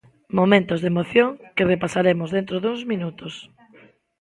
Momentos de emoción que repasaremos dentro duns minutos.